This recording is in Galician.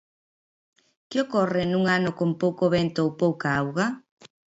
¿Que ocorre nun ano con pouco vento ou pouca auga?